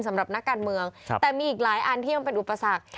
สำหรับนักการเมืองแต่มีอีกหลายอันที่ยังเป็นอุปสรรค